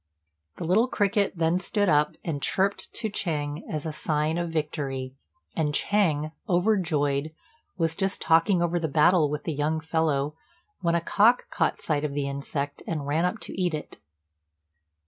The little cricket then stood up and chirped to Ch'êng as a sign of victory; and Ch'êng, overjoyed, was just talking over the battle with the young fellow, when a cock caught sight of the insect, and ran up to eat it.